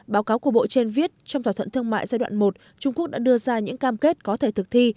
báo cáo của bộ trên viết trong thỏa thuận thương mại giai đoạn một trung quốc đã đưa ra những cam kết có thể thực thi